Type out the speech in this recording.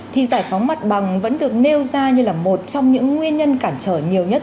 thì giải phóng mặt bằng vẫn được nêu ra như là một trong những nguyên nhân cản trở nhiều nhất